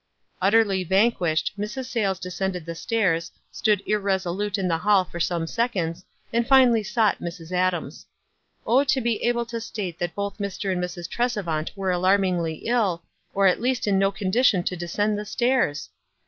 Utterly vanquished, Mrs. Sayles descended the stairs, stood irresolute in the hall for some seconds, and finally sought Mrs. Adams. Oh, to be able to state that both Mr. and Mrs. Trcs evant were alarmingly ill, or at least in no con dition to descend the stairs